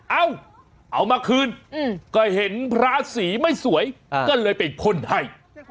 เอาเอามาคืนก็เห็นพระสีไม่สวยก็เลยไปพ่นให้